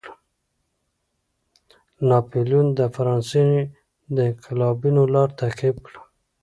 ناپلیون د فرانسې د انقلابینو لار تعقیب کړه.